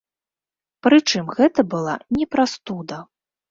Прычым, гэта была не прастуда.